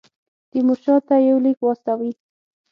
تیمورشاه ته یو لیک واستوي.